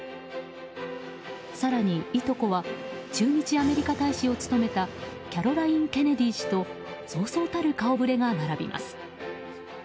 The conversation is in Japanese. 更に、いとこは駐日アメリカ大使を務めたキャロライン・ケネディ氏とそうそうたる顔ぶれが並びます。